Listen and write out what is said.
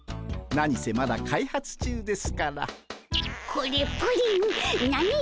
何せまだ開発中ですから。